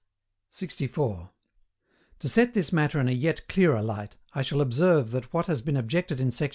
64. To set this matter in a yet clearer light, I shall observe that what has been objected in sect.